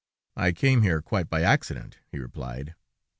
"I came here quite by accident," he replied.